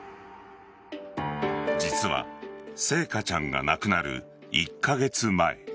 実は星華ちゃんが亡くなる１カ月前。